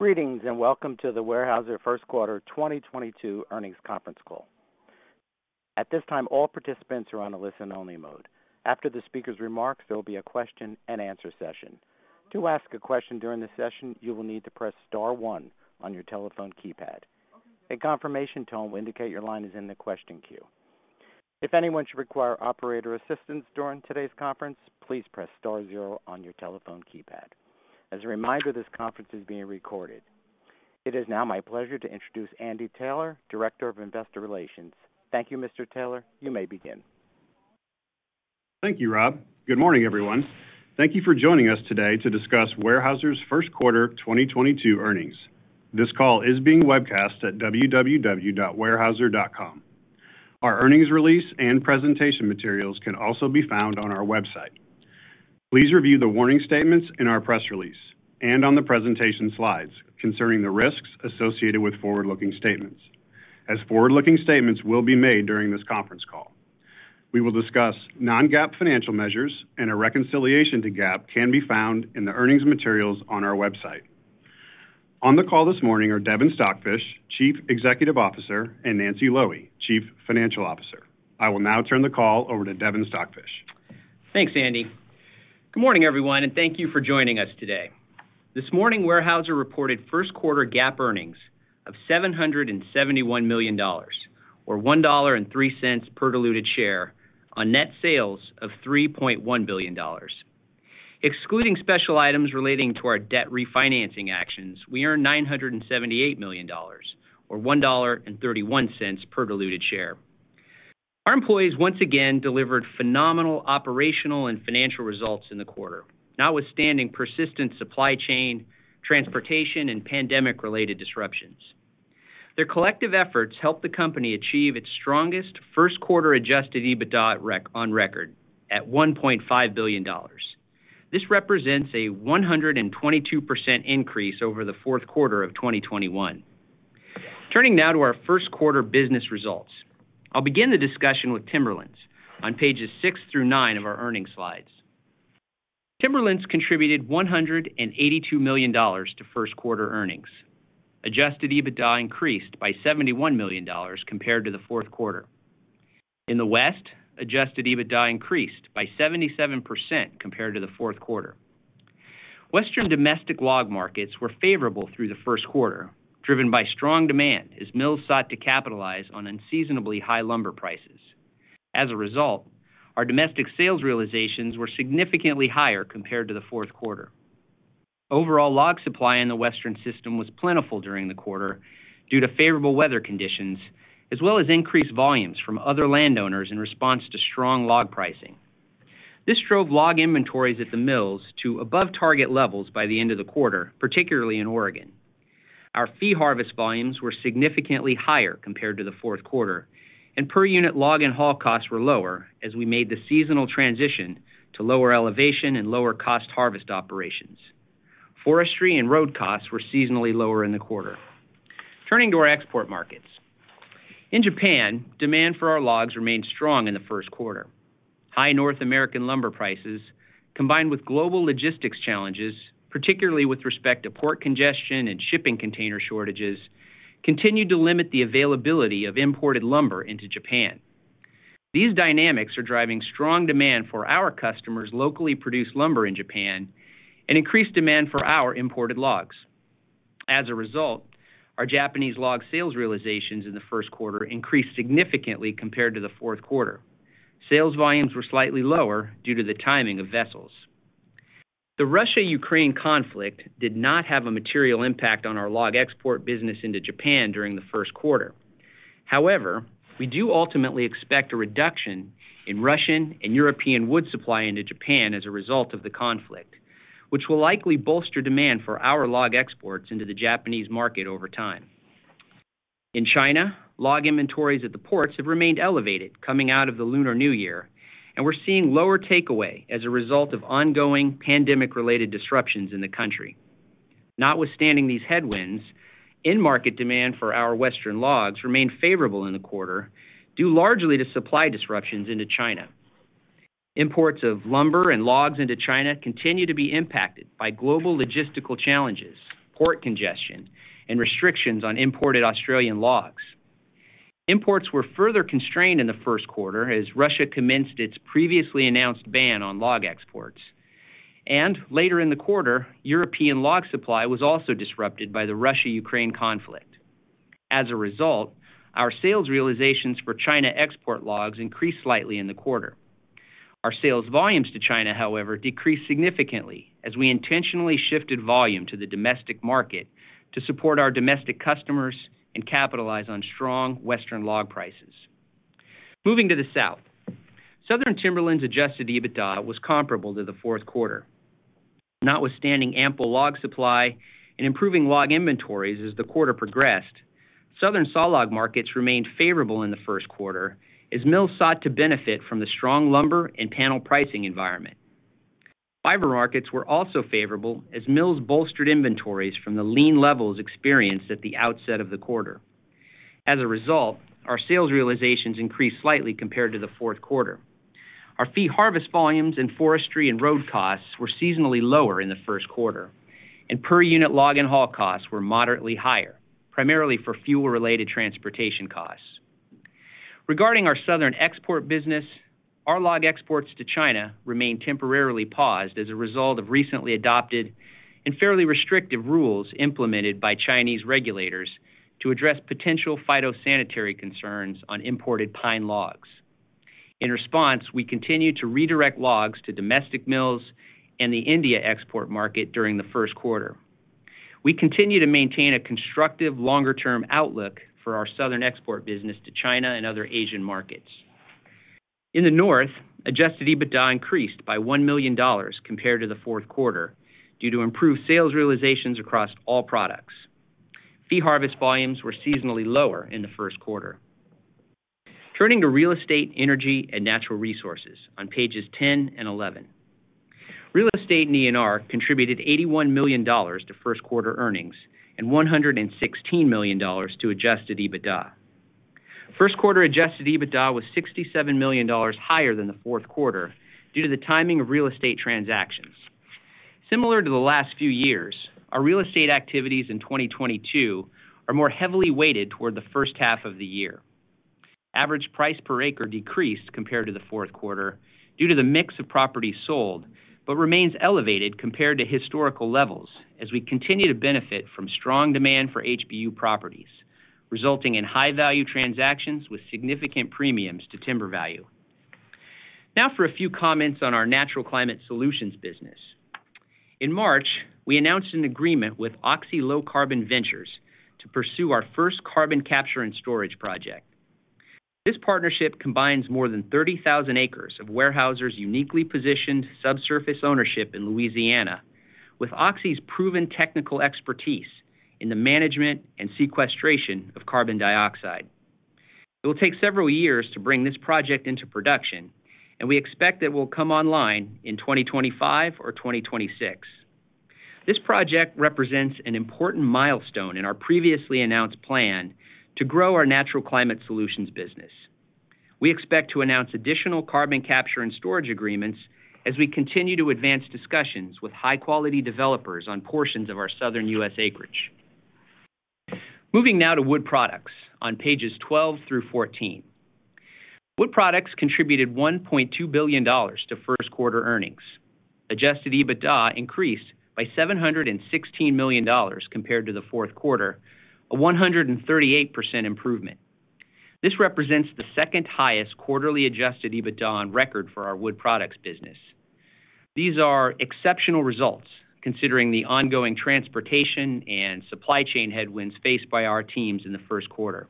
Greetings, and welcome to the Weyerhaeuser First Quarter 2022 Earnings Conference Call. At this time, all participants are on a listen-only mode. After the speaker's remarks, there'll be a question-and-answer session. To ask a question during the session, you will need to press star one on your telephone keypad. A confirmation tone will indicate your line is in the question queue. If anyone should require operator assistance during today's conference, please press star zero on your telephone keypad. As a reminder, this conference is being recorded. It is now my pleasure to introduce Andy Taylor, Director of Investor Relations. Thank you, Mr. Taylor. You may begin. Thank you, Rob. Good morning, everyone. Thank you for joining us today to discuss Weyerhaeuser's first quarter 2022 earnings. This call is being webcast at www.weyerhaeuser.com. Our earnings release and presentation materials can also be found on our website. Please review the warning statements in our press release and on the presentation slides concerning the risks associated with forward-looking statements, as forward-looking statements will be made during this conference call. We will discuss non-GAAP financial measures, and a reconciliation to GAAP can be found in the earnings materials on our website. On the call this morning are Devin Stockfish, Chief Executive Officer, and Nancy Loewe, Chief Financial Officer. I will now turn the call over to Devin Stockfish. Thanks, Andy. Good morning, everyone, and thank you for joining us today. This morning, Weyerhaeuser reported first quarter GAAP earnings of $771 million or $1.03 per diluted share on net sales of $3.1 billion. Excluding special items relating to our debt refinancing actions, we earned $978 million or $1.31 per diluted share. Our employees, once again, delivered phenomenal operational and financial results in the quarter, notwithstanding persistent supply chain, transportation, and pandemic-related disruptions. Their collective efforts helped the company achieve its strongest first quarter Adjusted EBITDA on record at $1.5 billion. This represents a 122% increase over the fourth quarter of 2021. Turning now to our first quarter business results. I'll begin the discussion with Timberlands on pages six through nine of our earnings slides. Timberlands contributed $182 million to first quarter earnings. Adjusted EBITDA increased by $71 million compared to the fourth quarter. In the West, Adjusted EBITDA increased by 77% compared to the fourth quarter. Western domestic log markets were favorable through the first quarter, driven by strong demand as mills sought to capitalize on unseasonably high lumber prices. As a result, our domestic sales realizations were significantly higher compared to the fourth quarter. Overall log supply in the Western system was plentiful during the quarter due to favorable weather conditions, as well as increased volumes from other landowners in response to strong log pricing. This drove log inventories at the mills to above target levels by the end of the quarter, particularly in Oregon. Our fee harvest volumes were significantly higher compared to the fourth quarter, and per unit log and haul costs were lower as we made the seasonal transition to lower elevation and lower cost harvest operations. Forestry and road costs were seasonally lower in the quarter. Turning to our export markets. In Japan, demand for our logs remained strong in the first quarter. High North American lumber prices, combined with global logistics challenges, particularly with respect to port congestion and shipping container shortages, continued to limit the availability of imported lumber into Japan. These dynamics are driving strong demand for our customers' locally produced lumber in Japan and increased demand for our imported logs. As a result, our Japanese log sales realizations in the first quarter increased significantly compared to the fourth quarter. Sales volumes were slightly lower due to the timing of vessels. The Russia-Ukraine conflict did not have a material impact on our log export business into Japan during the first quarter. However, we do ultimately expect a reduction in Russian and European wood supply into Japan as a result of the conflict, which will likely bolster demand for our log exports into the Japanese market over time. In China, log inventories at the ports have remained elevated coming out of the Lunar New Year, and we're seeing lower takeaway as a result of ongoing pandemic-related disruptions in the country. Notwithstanding these headwinds, in-market demand for our Western logs remained favorable in the quarter, due largely to supply disruptions into China. Imports of lumber and logs into China continue to be impacted by global logistical challenges, port congestion, and restrictions on imported Australian logs. Imports were further constrained in the first quarter as Russia commenced its previously announced ban on log exports. Later in the quarter, European log supply was also disrupted by the Russia-Ukraine conflict. As a result, our sales realizations for China export logs increased slightly in the quarter. Our sales volumes to China, however, decreased significantly as we intentionally shifted volume to the domestic market to support our domestic customers and capitalize on strong Western log prices. Moving to the South. Southern Timberlands Adjusted EBITDA was comparable to the fourth quarter. Notwithstanding ample log supply and improving log inventories as the quarter progressed, Southern sawlog markets remained favorable in the first quarter as mills sought to benefit from the strong lumber and panel pricing environment. Fiber markets were also favorable as mills bolstered inventories from the lean levels experienced at the outset of the quarter. As a result, our sales realizations increased slightly compared to the fourth quarter. Our fee harvest volumes and forestry and road costs were seasonally lower in the first quarter, and per-unit log and haul costs were moderately higher, primarily for fuel-related transportation costs. Regarding our southern export business, our log exports to China remain temporarily paused as a result of recently adopted and fairly restrictive rules implemented by Chinese regulators to address potential phytosanitary concerns on imported pine logs. In response, we continue to redirect logs to domestic mills and the India export market during the first quarter. We continue to maintain a constructive longer-term outlook for our southern export business to China and other Asian markets. In the North, Adjusted EBITDA increased by $1 million compared to the fourth quarter due to improved sales realizations across all products. Fee harvest volumes were seasonally lower in the first quarter. Turning to Real Estate, Energy & Natural Resources on pages 10 and 11. Real Estate and ENR contributed $81 million to first quarter earnings and $116 million to Adjusted EBITDA. First quarter Adjusted EBITDA was $67 million higher than the fourth quarter due to the timing of real estate transactions. Similar to the last few years, our real estate activities in 2022 are more heavily weighted toward the first half of the year. Average price per acre decreased compared to the fourth quarter due to the mix of properties sold, but remains elevated compared to historical levels as we continue to benefit from strong demand for HBU properties, resulting in high-value transactions with significant premiums to timber value. Now for a few comments on our Natural Climate Solutions business. In March, we announced an agreement with Oxy Low Carbon Ventures to pursue our first carbon capture and storage project. This partnership combines more than 30,000 acres of Weyerhaeuser's uniquely positioned subsurface ownership in Louisiana with Oxy's proven technical expertise in the management and sequestration of carbon dioxide. It will take several years to bring this project into production, and we expect it will come online in 2025 or 2026. This project represents an important milestone in our previously announced plan to grow our Natural Climate Solutions business. We expect to announce additional carbon capture and storage agreements as we continue to advance discussions with high-quality developers on portions of our Southern U.S. acreage. Moving now to Wood Products on pages 12 through 14. Wood Products contributed $1.2 billion to first quarter earnings. Adjusted EBITDA increased by $716 million compared to the fourth quarter, a 138% improvement. This represents the second highest quarterly Adjusted EBITDA on record for our Wood Products business. These are exceptional results considering the ongoing transportation and supply chain headwinds faced by our teams in the first quarter.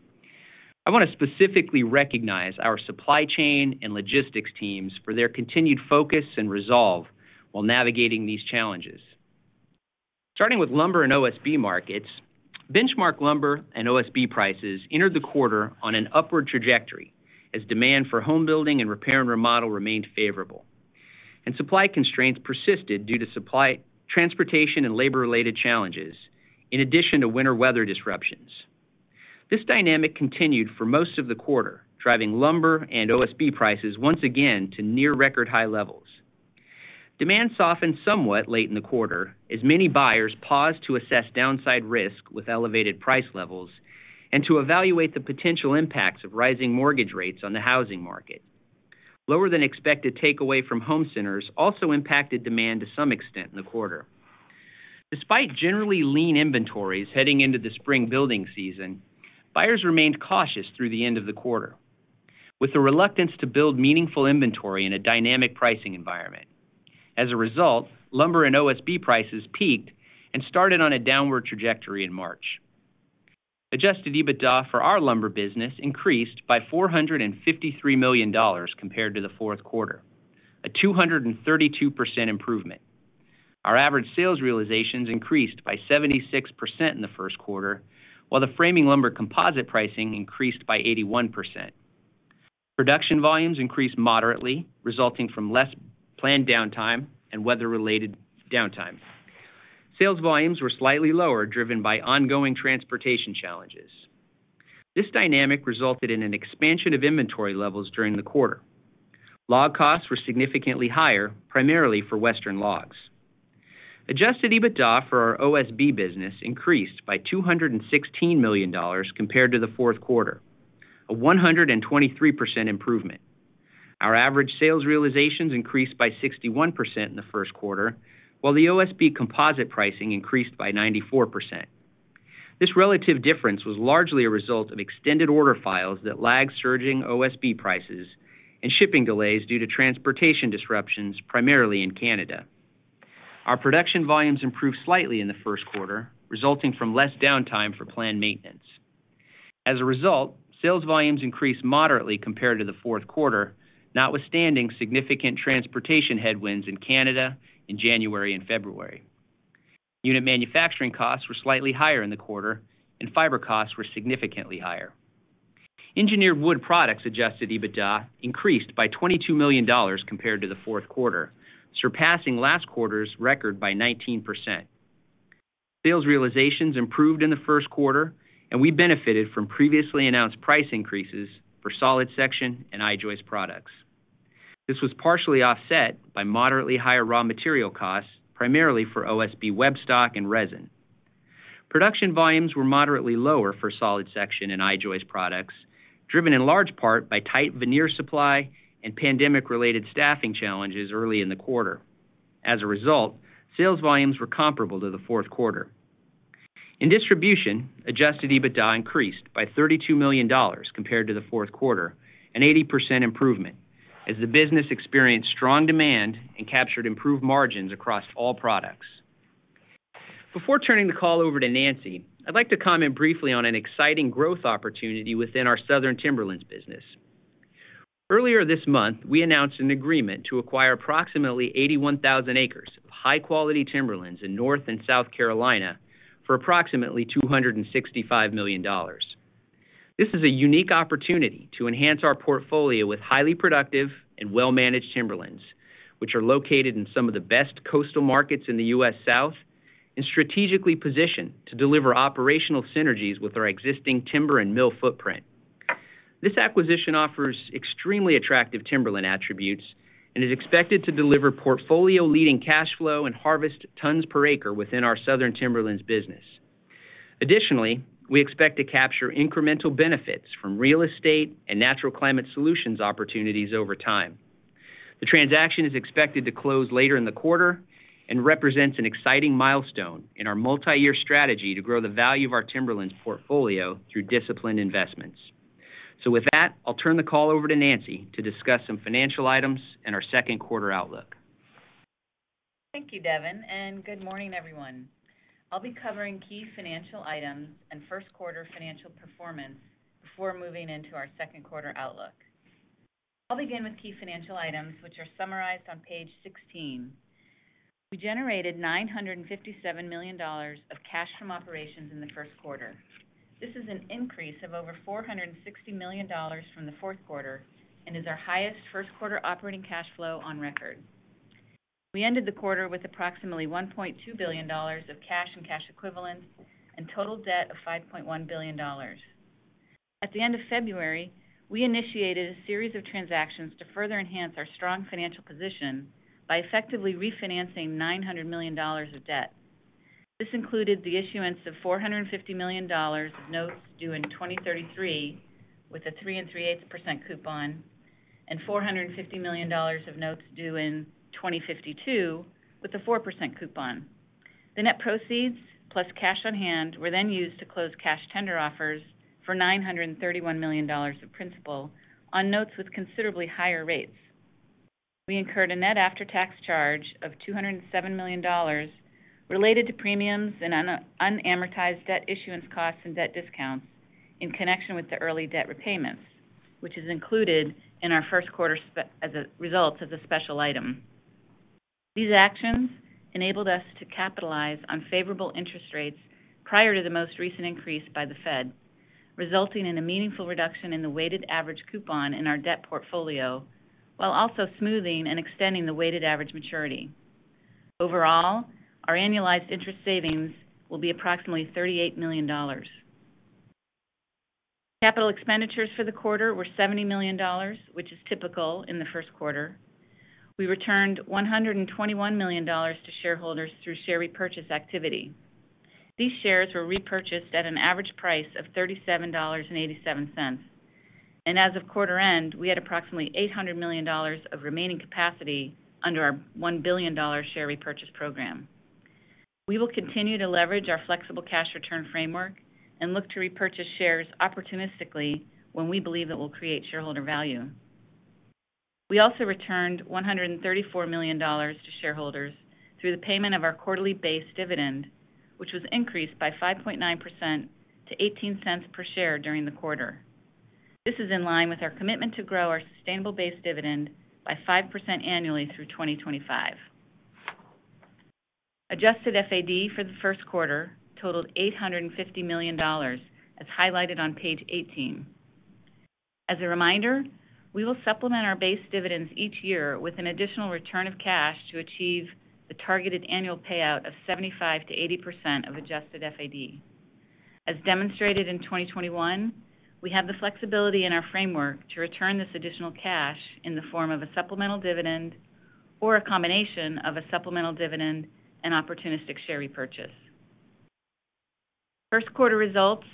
I want to specifically recognize our supply chain and logistics teams for their continued focus and resolve while navigating these challenges. Starting with lumber and OSB markets, benchmark lumber and OSB prices entered the quarter on an upward trajectory as demand for home building and repair and remodel remained favorable, and supply constraints persisted due to supply, transportation, and labor-related challenges, in addition to winter weather disruptions. This dynamic continued for most of the quarter, driving lumber and OSB prices once again to near record high levels. Demand softened somewhat late in the quarter as many buyers paused to assess downside risk with elevated price levels and to evaluate the potential impacts of rising mortgage rates on the housing market. Lower than expected takeaway from home centers also impacted demand to some extent in the quarter. Despite generally lean inventories heading into the spring building season, buyers remained cautious through the end of the quarter, with a reluctance to build meaningful inventory in a dynamic pricing environment. As a result, lumber and OSB prices peaked and started on a downward trajectory in March. Adjusted EBITDA for our lumber business increased by $453 million compared to the fourth quarter, a 232% improvement. Our average sales realizations increased by 76% in the first quarter, while the framing lumber composite pricing increased by 81%. Production volumes increased moderately, resulting from less planned downtime and weather-related downtime. Sales volumes were slightly lower, driven by ongoing transportation challenges. This dynamic resulted in an expansion of inventory levels during the quarter. Log costs were significantly higher, primarily for Western logs. Adjusted EBITDA for our OSB business increased by $216 million compared to the fourth quarter, a 123% improvement. Our average sales realizations increased by 61% in the first quarter, while the OSB composite pricing increased by 94%. This relative difference was largely a result of extended order files that lagged surging OSB prices and shipping delays due to transportation disruptions, primarily in Canada. Our production volumes improved slightly in the first quarter, resulting from less downtime for planned maintenance. As a result, sales volumes increased moderately compared to the fourth quarter, notwithstanding significant transportation headwinds in Canada in January and February. Unit manufacturing costs were slightly higher in the quarter and fiber costs were significantly higher. Engineered Wood Products Adjusted EBITDA increased by $22 million compared to the fourth quarter, surpassing last quarter's record by 19%. Sales realizations improved in the first quarter, and we benefited from previously announced price increases for solid section and I-joist products. This was partially offset by moderately higher raw material costs, primarily for OSB web stock and resin. Production volumes were moderately lower for solid section and I-joist products, driven in large part by tight veneer supply and pandemic-related staffing challenges early in the quarter. As a result, sales volumes were comparable to the fourth quarter. In distribution, Adjusted EBITDA increased by $32 million compared to the fourth quarter, an 80% improvement as the business experienced strong demand and captured improved margins across all products. Before turning the call over to Nancy, I'd like to comment briefly on an exciting growth opportunity within our southern timberlands business. Earlier this month, we announced an agreement to acquire approximately 81,000 acres of high-quality timberlands in North and South Carolina for approximately $265 million. This is a unique opportunity to enhance our portfolio with highly productive and well-managed timberlands, which are located in some of the best coastal markets in the U.S. South and strategically positioned to deliver operational synergies with our existing timber and mill footprint. This acquisition offers extremely attractive timberland attributes and is expected to deliver portfolio-leading cash flow and harvest tons per acre within our southern timberlands business. Additionally, we expect to capture incremental benefits from Real Estate and Natural Climate Solutions opportunities over time. The transaction is expected to close later in the quarter and represents an exciting milestone in our multi-year strategy to grow the value of our Timberlands portfolio through disciplined investments. With that, I'll turn the call over to Nancy to discuss some financial items and our second quarter outlook. Thank you, Devin, and good morning, everyone. I'll be covering key financial items and first quarter financial performance before moving into our second quarter outlook. I'll begin with key financial items, which are summarized on page 16. We generated $957 million of cash from operations in the first quarter. This is an increase of over $460 million from the fourth quarter and is our highest first quarter operating cash flow on record. We ended the quarter with approximately $1.2 billion of cash and cash equivalents and total debt of $5.1 billion. At the end of February, we initiated a series of transactions to further enhance our strong financial position by effectively refinancing $900 million of debt. This included the issuance of $450 million of notes due in 2033, with a three 3/8% coupon, and $450 million of notes due in 2052 with a 4% coupon. The net proceeds, plus cash on hand, were then used to close cash tender offers for $931 million of principal on notes with considerably higher rates. We incurred a net after-tax charge of $207 million related to premiums and unamortized debt issuance costs and debt discounts in connection with the early debt repayments, which is included in our first quarter as a special item. These actions enabled us to capitalize on favorable interest rates prior to the most recent increase by the Fed, resulting in a meaningful reduction in the weighted average coupon in our debt portfolio, while also smoothing and extending the weighted average maturity. Overall, our annualized interest savings will be approximately $38 million. Capital expenditures for the quarter were $70 million, which is typical in the first quarter. We returned $121 million to shareholders through share repurchase activity. These shares were repurchased at an average price of $37.87. As of quarter end, we had approximately $800 million of remaining capacity under our $1 billion share repurchase program. We will continue to leverage our flexible cash return framework and look to repurchase shares opportunistically when we believe it will create shareholder value. We also returned $134 million to shareholders through the payment of our quarterly base dividend, which was increased by 5.9% to $0.18 per share during the quarter. This is in line with our commitment to grow our sustainable base dividend by 5% annually through 2025. Adjusted FAD for the first quarter totaled $850 million, as highlighted on page 18. As a reminder, we will supplement our base dividends each year with an additional return of cash to achieve the targeted annual payout of 75%-80% of Adjusted FAD. As demonstrated in 2021, we have the flexibility in our framework to return this additional cash in the form of a supplemental dividend or a combination of a supplemental dividend and opportunistic share repurchase. First quarter results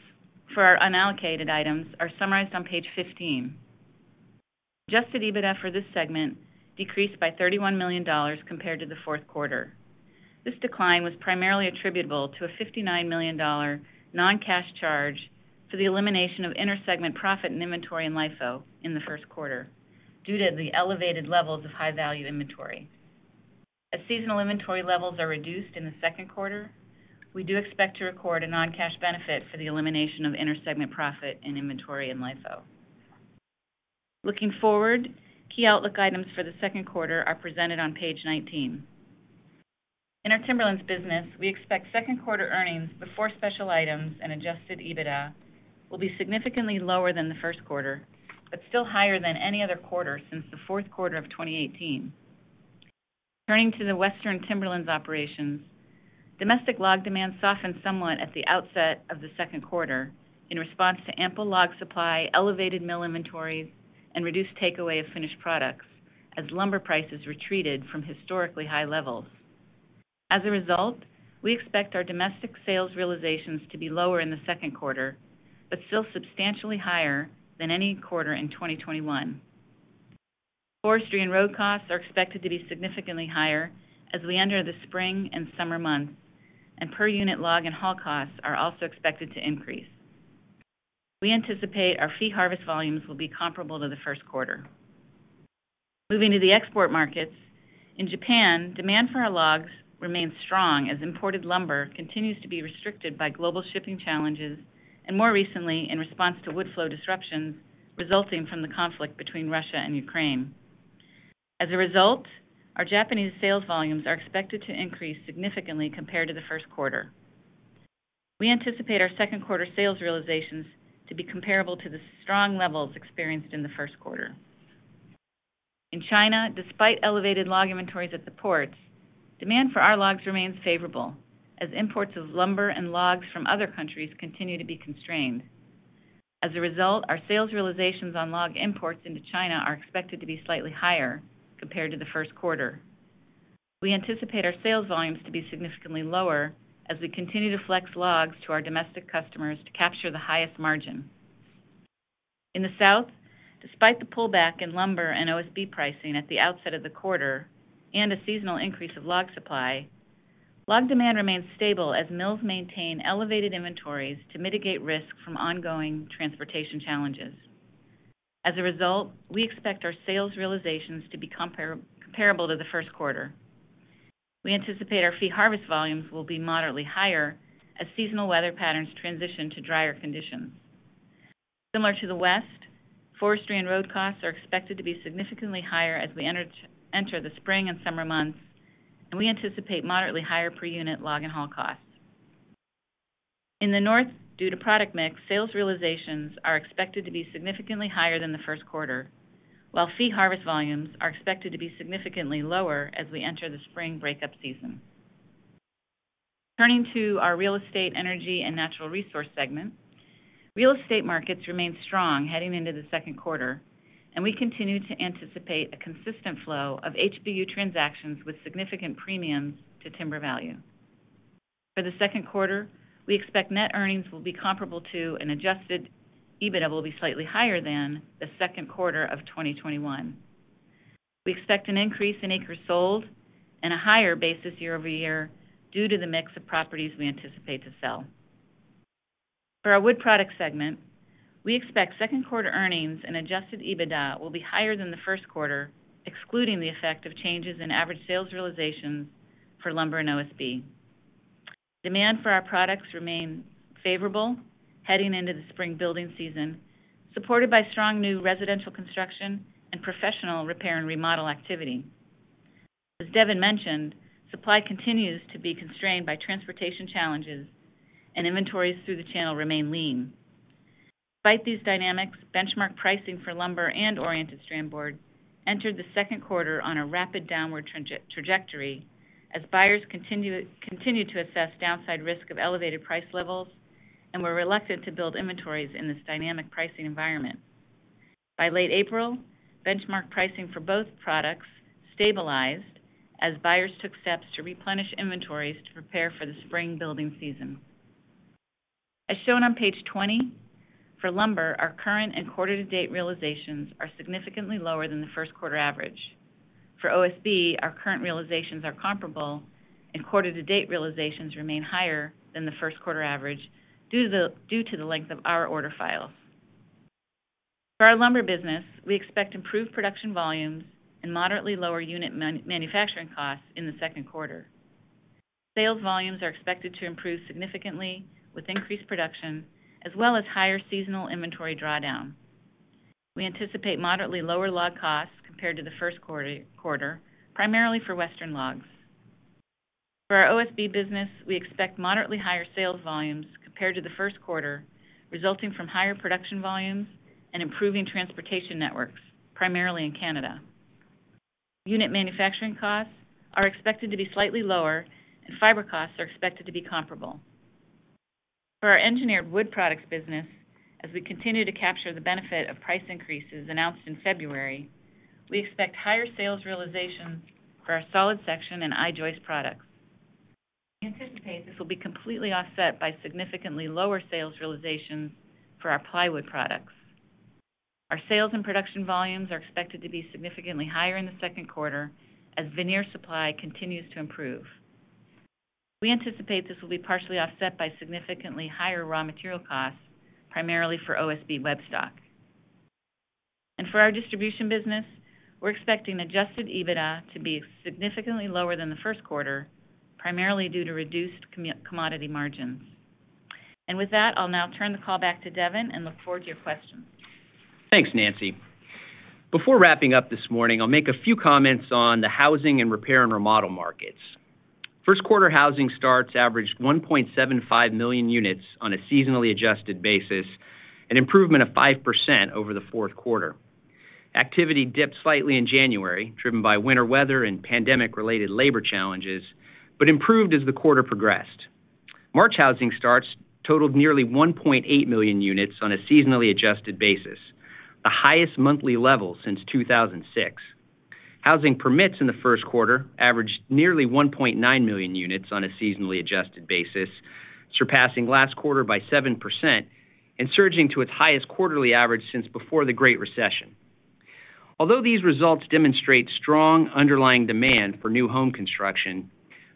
for our unallocated items are summarized on page 15. Adjusted EBITDA for this segment decreased by $31 million compared to the fourth quarter. This decline was primarily attributable to a $59 million non-cash charge for the elimination of inter-segment profit and inventory in LIFO in the first quarter due to the elevated levels of high-value inventory. As seasonal inventory levels are reduced in the second quarter, we do expect to record a non-cash benefit for the elimination of inter-segment profit in inventory and LIFO. Looking forward, key outlook items for the second quarter are presented on page 19. In our timberlands business, we expect second quarter earnings before special items and Adjusted EBITDA will be significantly lower than the first quarter, but still higher than any other quarter since the fourth quarter of 2018. Turning to the Western timberlands operations, domestic log demand softened somewhat at the outset of the second quarter in response to ample log supply, elevated mill inventories and reduced takeaway of finished products as lumber prices retreated from historically high levels. As a result, we expect our domestic sales realizations to be lower in the second quarter, but still substantially higher than any quarter in 2021. Forestry and road costs are expected to be significantly higher as we enter the spring and summer months, and per-unit log and haul costs are also expected to increase. We anticipate our fee harvest volumes will be comparable to the first quarter. Moving to the export markets, in Japan, demand for our logs remains strong as imported lumber continues to be restricted by global shipping challenges and more recently in response to wood flow disruptions resulting from the conflict between Russia and Ukraine. As a result, our Japanese sales volumes are expected to increase significantly compared to the first quarter. We anticipate our second quarter sales realizations to be comparable to the strong levels experienced in the first quarter. In China, despite elevated log inventories at the ports, demand for our logs remains favorable as imports of lumber and logs from other countries continue to be constrained. As a result, our sales realizations on log imports into China are expected to be slightly higher compared to the first quarter. We anticipate our sales volumes to be significantly lower as we continue to flex logs to our domestic customers to capture the highest margin. In the South, despite the pullback in lumber and OSB pricing at the outset of the quarter and a seasonal increase of log supply, log demand remains stable as mills maintain elevated inventories to mitigate risk from ongoing transportation challenges. As a result, we expect our sales realizations to be comparable to the first quarter. We anticipate our fee harvest volumes will be moderately higher as seasonal weather patterns transition to drier conditions. Similar to the West, forestry and road costs are expected to be significantly higher as we enter the spring and summer months, and we anticipate moderately higher per-unit log and haul costs. In the North, due to product mix, sales realizations are expected to be significantly higher than the first quarter, while fee harvest volumes are expected to be significantly lower as we enter the spring breakup season. Turning to our Real Estate, Energy and Natural Resources segment, real estate markets remain strong heading into the second quarter, and we continue to anticipate a consistent flow of HBU transactions with significant premiums to timber value. For the second quarter, we expect net earnings will be comparable to, and Adjusted EBITDA will be slightly higher than the second quarter of 2021. We expect an increase in acres sold and a higher basis year-over-year due to the mix of properties we anticipate to sell. For our Wood Products segment, we expect second quarter earnings and Adjusted EBITDA will be higher than the first quarter, excluding the effect of changes in average sales realizations for lumber and OSB. Demand for our products remain favorable heading into the spring building season, supported by strong new residential construction and professional repair and remodel activity. As Devin mentioned, supply continues to be constrained by transportation challenges and inventories through the channel remain lean. Despite these dynamics, benchmark pricing for lumber and oriented strand board entered the second quarter on a rapid downward trajectory as buyers continued to assess downside risk of elevated price levels and were reluctant to build inventories in this dynamic pricing environment. By late April, benchmark pricing for both products stabilized as buyers took steps to replenish inventories to prepare for the spring building season. As shown on page 20, for lumber, our current and quarter-to-date realizations are significantly lower than the first quarter average. For OSB, our current realizations are comparable and quarter-to-date realizations remain higher than the first quarter average due to the length of our order files. For our lumber business, we expect improved production volumes and moderately lower unit manufacturing costs in the second quarter. Sales volumes are expected to improve significantly with increased production as well as higher seasonal inventory drawdown. We anticipate moderately lower log costs compared to the first quarter, primarily for Western logs. For our OSB business, we expect moderately higher sales volumes compared to the first quarter, resulting from higher production volumes and improving transportation networks, primarily in Canada. Unit manufacturing costs are expected to be slightly lower and fiber costs are expected to be comparable. For our Engineered Wood Products business, as we continue to capture the benefit of price increases announced in February, we expect higher sales realizations for our solid section and I-joist products. We anticipate this will be completely offset by significantly lower sales realizations for our plywood products. Our sales and production volumes are expected to be significantly higher in the second quarter as veneer supply continues to improve. We anticipate this will be partially offset by significantly higher raw material costs, primarily for OSB web stock. For our distribution business, we're expecting Adjusted EBITDA to be significantly lower than the first quarter, primarily due to reduced commodity margins. With that, I'll now turn the call back to Devin and look forward to your questions. Thanks, Nancy. Before wrapping up this morning, I'll make a few comments on the housing and repair and remodel markets. First quarter housing starts averaged 1.75 million units on a seasonally adjusted basis, an improvement of 5% over the fourth quarter. Activity dipped slightly in January, driven by winter weather and pandemic-related labor challenges, but improved as the quarter progressed. March housing starts totaled nearly 1.8 million units on a seasonally adjusted basis, the highest monthly level since 2006. Housing permits in the first quarter averaged nearly 1.9 million units on a seasonally adjusted basis, surpassing last quarter by 7% and surging to its highest quarterly average since before the Great Recession. Although these results demonstrate strong underlying demand for new home construction,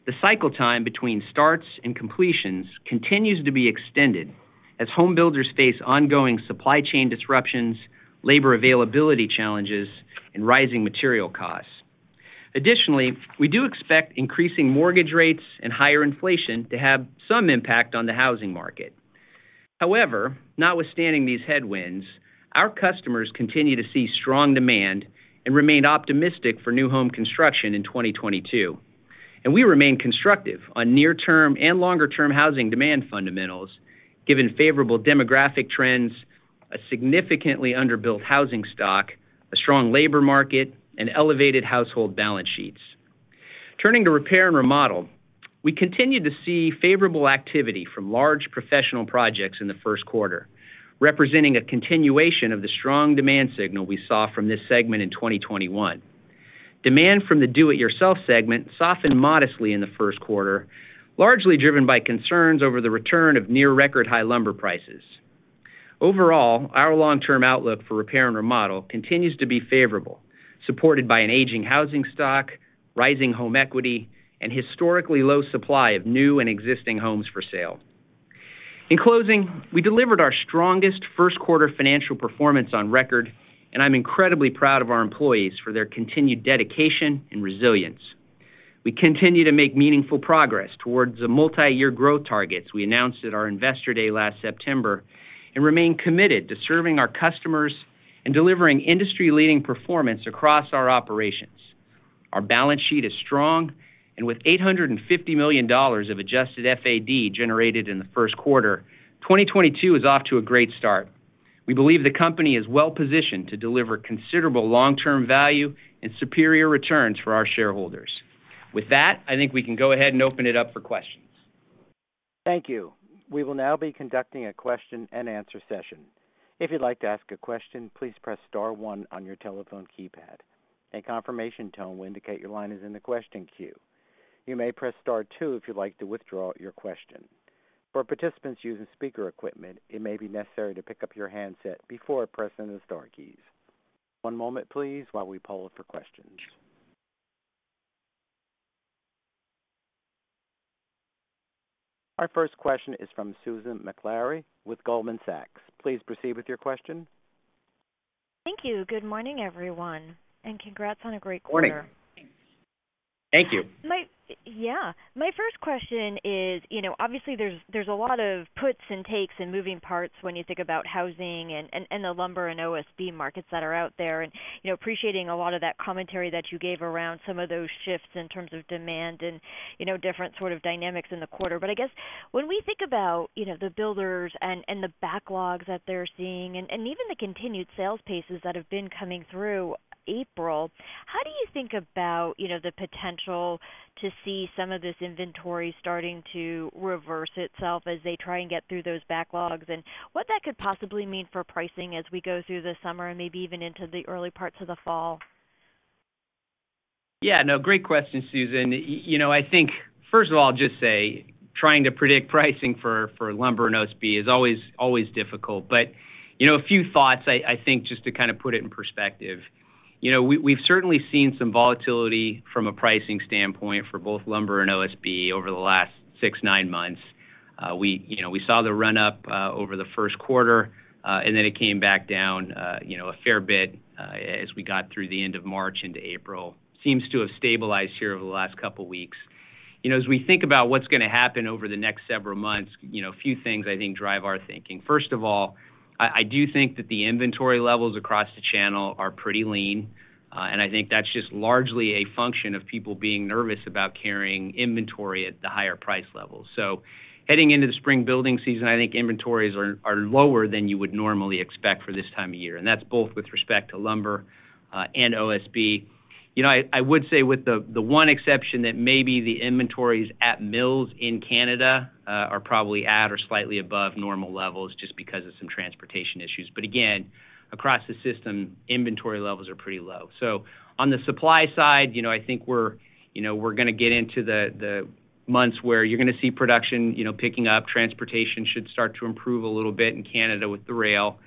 the cycle time between starts and completions continues to be extended as home builders face ongoing supply chain disruptions, labor availability challenges, and rising material costs. Additionally, we do expect increasing mortgage rates and higher inflation to have some impact on the housing market. However, notwithstanding these headwinds, our customers continue to see strong demand and remain optimistic for new home construction in 2022. We remain constructive on near-term and longer-term housing demand fundamentals given favorable demographic trends, a significantly under-built housing stock, a strong labor market, and elevated household balance sheets. Turning to repair and remodel, we continued to see favorable activity from large professional projects in the first quarter, representing a continuation of the strong demand signal we saw from this segment in 2021. Demand from the do-it-yourself segment softened modestly in the first quarter, largely driven by concerns over the return of near record high lumber prices. Overall, our long-term outlook for repair and remodel continues to be favorable, supported by an aging housing stock, rising home equity, and historically low supply of new and existing homes for sale. In closing, we delivered our strongest first quarter financial performance on record, and I'm incredibly proud of our employees for their continued dedication and resilience. We continue to make meaningful progress towards the multi-year growth targets we announced at our Investor Day last September, and remain committed to serving our customers and delivering industry-leading performance across our operations. Our balance sheet is strong, and with $850 million of Adjusted FAD generated in the first quarter, 2022 is off to a great start. We believe the company is well-positioned to deliver considerable long-term value and superior returns for our shareholders. With that, I think we can go ahead and open it up for questions. Thank you. We will now be conducting a question and answer session. If you'd like to ask a question, please press star one on your telephone keypad. A confirmation tone will indicate your line is in the question queue. You may press star two if you'd like to withdraw your question. For participants using speaker equipment, it may be necessary to pick up your handset before pressing the star keys. One moment, please, while we poll for questions. Our first question is from Susan Maklari with Goldman Sachs. Please proceed with your question. Thank you. Good morning, everyone, and congrats on a great quarter. Morning. Thank you. Yeah. My first question is, you know, obviously there's a lot of puts and takes and moving parts when you think about housing and the lumber and OSB markets that are out there and, you know, appreciating a lot of that commentary that you gave around some of those shifts in terms of demand and, you know, different sort of dynamics in the quarter. I guess when we think about, you know, the builders and the backlogs that they're seeing and even the continued sales paces that have been coming through April, how do you think about, you know, the potential to see some of this inventory starting to reverse itself as they try and get through those backlogs? What that could possibly mean for pricing as we go through the summer and maybe even into the early parts of the fall? Yeah, no, great question, Susan. You know, I think, first of all, just say trying to predict pricing for lumber and OSB is always difficult. You know, a few thoughts, I think just to kind of put it in perspective. You know, we've certainly seen some volatility from a pricing standpoint for both lumber and OSB over the last 6-9 months. We, you know, we saw the run-up over the first quarter, and then it came back down, you know, a fair bit, as we got through the end of March into April. Seems to have stabilized here over the last couple weeks. You know, as we think about what's gonna happen over the next several months, you know, a few things I think drive our thinking. First of all, I do think that the inventory levels across the channel are pretty lean, and I think that's just largely a function of people being nervous about carrying inventory at the higher price level. Heading into the spring building season, I think inventories are lower than you would normally expect for this time of year, and that's both with respect to lumber and OSB. I would say with the one exception that maybe the inventories at mills in Canada are probably at or slightly above normal levels just because of some transportation issues. Again, across the system, inventory levels are pretty low. On the supply side, you know, I think you know, we're gonna get into the months where you're gonna see production, you know, picking up. Transportation should start to improve a little bit in Canada with the rail.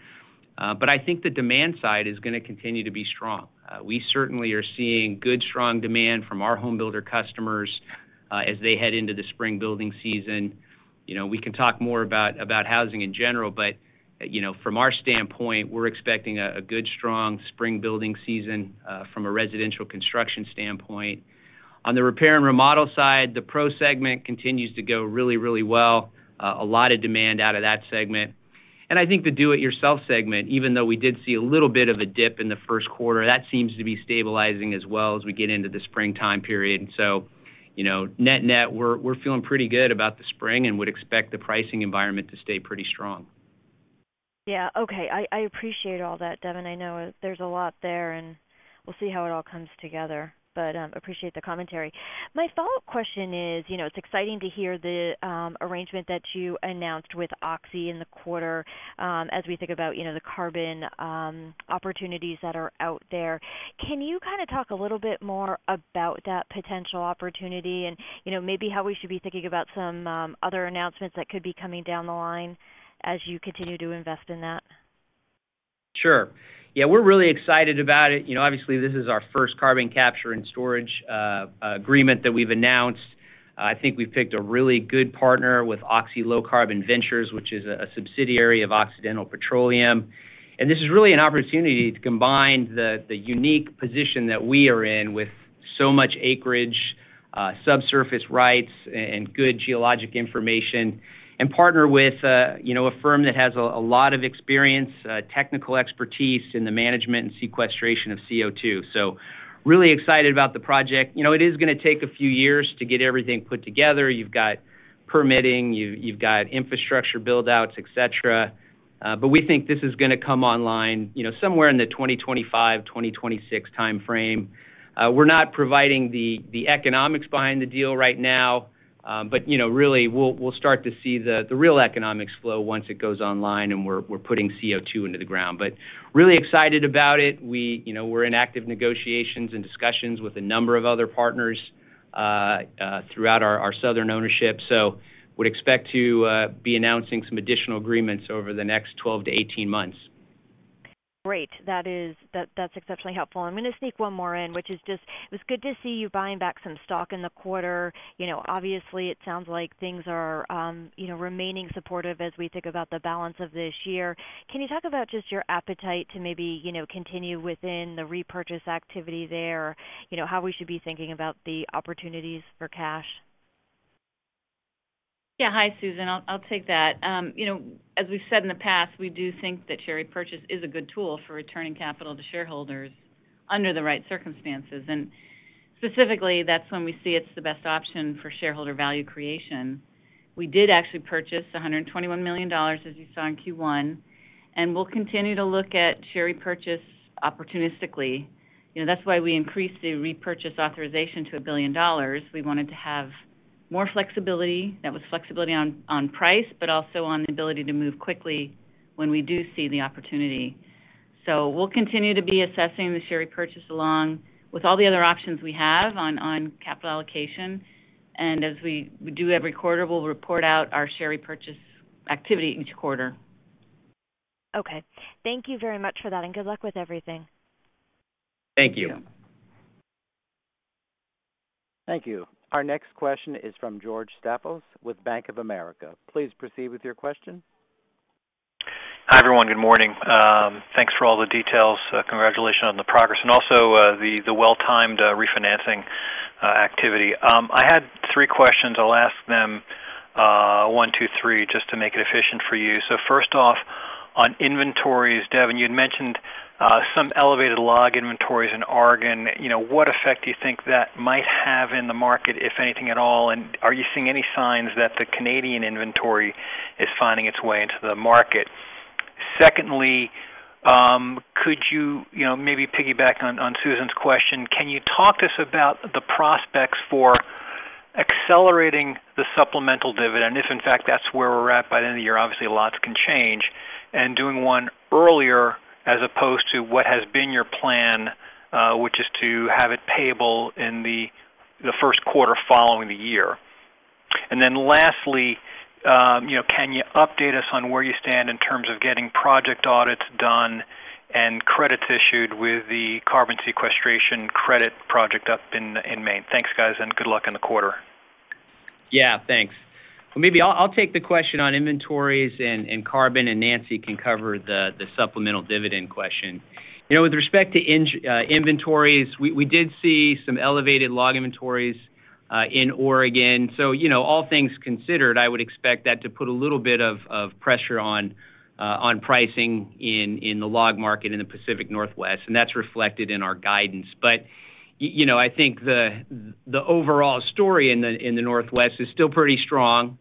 I think the demand side is gonna continue to be strong. We certainly are seeing good, strong demand from our home builder customers, as they head into the spring building season. You know, we can talk more about housing in general, but, you know, from our standpoint, we're expecting a good, strong spring building season, from a residential construction standpoint. On the repair and remodel side, the pro segment continues to go really, really well. A lot of demand out of that segment. I think the do-it-yourself segment, even though we did see a little bit of a dip in the first quarter, that seems to be stabilizing as well as we get into the springtime period. You know, net-net, we're feeling pretty good about the spring and would expect the pricing environment to stay pretty strong. Yeah. Okay. I appreciate all that, Devin. I know there's a lot there, and we'll see how it all comes together. Appreciate the commentary. My follow-up question is, you know, it's exciting to hear the arrangement that you announced with Oxy in the quarter, as we think about, you know, the carbon opportunities that are out there. Can you kinda talk a little bit more about that potential opportunity and, you know, maybe how we should be thinking about some other announcements that could be coming down the line as you continue to invest in that? Sure. Yeah, we're really excited about it. You know, obviously, this is our first carbon capture and storage agreement that we've announced. I think we've picked a really good partner with Oxy Low Carbon Ventures, which is a subsidiary of Occidental Petroleum. This is really an opportunity to combine the unique position that we are in with so much acreage, subsurface rights and good geologic information and partner with, you know, a firm that has a lot of experience, technical expertise in the management and sequestration of CO2. Really excited about the project. You know, it is gonna take a few years to get everything put together. You've got permitting, you've got infrastructure build-outs, et cetera, but we think this is gonna come online, you know, somewhere in the 2025-2026 timeframe. We're not providing the economics behind the deal right now, but you know, really, we'll start to see the real economics flow once it goes online and we're putting CO2 into the ground. Really excited about it. You know, we're in active negotiations and discussions with a number of other partners throughout our southern ownership. Would expect to be announcing some additional agreements over the next 12-18 months. Great. That's exceptionally helpful. I'm gonna sneak one more in, which is just, it was good to see you buying back some stock in the quarter. You know, obviously, it sounds like things are, you know, remaining supportive as we think about the balance of this year. Can you talk about just your appetite to maybe, you know, continue within the repurchase activity there? You know, how we should be thinking about the opportunities for cash? Yeah. Hi, Susan. I'll take that. You know, as we've said in the past, we do think that share repurchase is a good tool for returning capital to shareholders under the right circumstances. Specifically, that's when we see it's the best option for shareholder value creation. We did actually purchase $121 million, as you saw in Q1, and we'll continue to look at share repurchase opportunistically. You know, that's why we increased the repurchase authorization to $1 billion. We wanted to have more flexibility. That was flexibility on price, but also on the ability to move quickly when we do see the opportunity. We'll continue to be assessing the share repurchase along with all the other options we have on capital allocation. As we do every quarter, we'll report out our share repurchase activity each quarter. Okay. Thank you very much for that, and good luck with everything. Thank you. Thank you. Thank you. Our next question is from George Staphos with Bank of America. Please proceed with your question. Hi, everyone. Good morning. Thanks for all the details. Congratulations on the progress and also, the well-timed refinancing activity. I had three questions. I'll ask them one, two, three, just to make it efficient for you. First off, on inventories, Devin, you'd mentioned some elevated log inventories in Oregon. You know, what effect do you think that might have in the market, if anything at all? Are you seeing any signs that the Canadian inventory is finding its way into the market? Secondly, could you know, maybe piggyback on Susan's question, can you talk to us about the prospects for accelerating the supplemental dividend, if in fact that's where we're at by the end of the year, obviously, a lot can change, and doing one earlier as opposed to what has been your plan, which is to have it payable in the first quarter following the year? Lastly, you know, can you update us on where you stand in terms of getting project audits done and credits issued with the carbon sequestration credit project up in Maine? Thanks, guys, and good luck in the quarter. Yeah, thanks. Maybe I'll take the question on inventories and carbon, and Nancy can cover the supplemental dividend question. You know, with respect to inventories, we did see some elevated log inventories in Oregon. You know, all things considered, I would expect that to put a little bit of pressure on pricing in the log market in the Pacific Northwest, and that's reflected in our guidance. You know, I think the overall story in the Northwest is still pretty strong.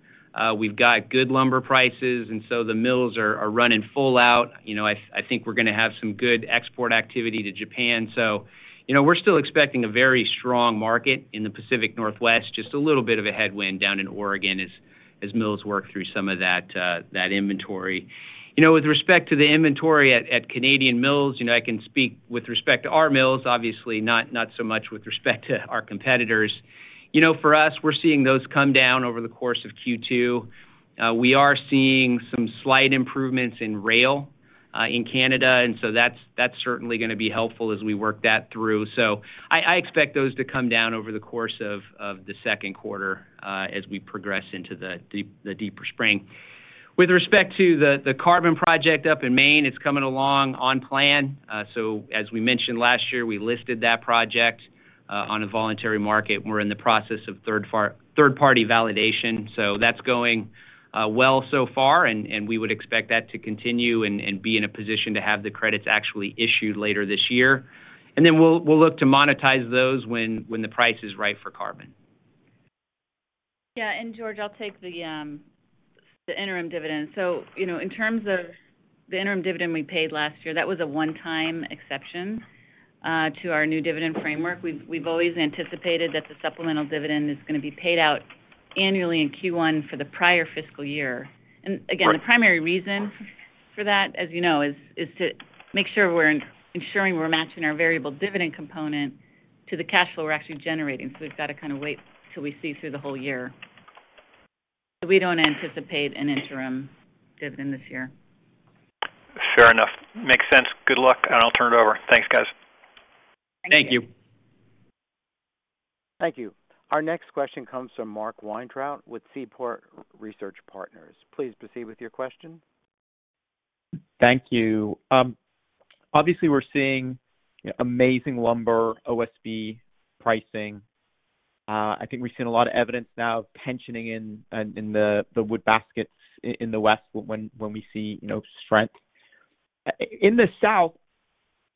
We've got good lumber prices, and so the mills are running full out. You know, I think we're gonna have some good export activity to Japan. You know, we're still expecting a very strong market in the Pacific Northwest, just a little bit of a headwind down in Oregon as mills work through some of that inventory. You know, with respect to the inventory at Canadian mills, you know, I can speak with respect to our mills, obviously not so much with respect to our competitors. You know, for us, we're seeing those come down over the course of Q2. We are seeing some slight improvements in rail in Canada, and so that's certainly gonna be helpful as we work that through. I expect those to come down over the course of the second quarter as we progress into the deeper spring. With respect to the carbon project up in Maine, it's coming along on plan. As we mentioned last year, we listed that project on a voluntary market. We're in the process of third-party validation, so that's going well so far, and we would expect that to continue and be in a position to have the credits actually issued later this year. We'll look to monetize those when the price is right for carbon. George, I'll take the interim dividend. You know, in terms of the interim dividend we paid last year, that was a one-time exception to our new dividend framework. We've always anticipated that the supplemental dividend is gonna be paid out annually in Q1 for the prior fiscal year. Right. Again, the primary reason for that, as you know, is to make sure we're ensuring we're matching our variable dividend component to the cash flow we're actually generating. We've got to kinda wait till we see through the whole year. We don't anticipate an interim dividend this year. Fair enough. Makes sense. Good luck, and I'll turn it over. Thanks, guys. Thank you. Thank you. Thank you. Our next question comes from Mark Weintraub with Seaport Research Partners. Please proceed with your question. Thank you. Obviously we're seeing amazing lumber, OSB pricing. I think we've seen a lot of evidence now tensioning in the wood baskets in the west when we see, you know, strength. In the south,